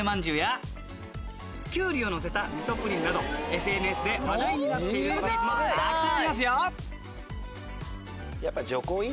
きゅうりをのせた味噌ぷりんなどＳＮＳで話題になっているスイーツもたくさんありますよ。